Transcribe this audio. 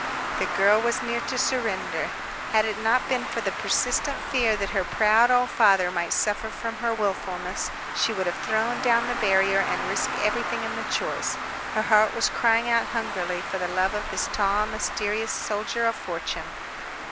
The girl was near to surrender. Had it not been for the persistent fear that her proud old father might suffer from her wilfulness, she would have thrown down the barrier and risked everything in the choice. Her heart was crying out hungrily for the love of this tall, mysterious soldier of fortune.